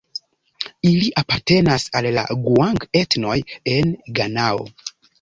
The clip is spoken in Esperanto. Ili apartenas al la guang-etnoj en Ganao.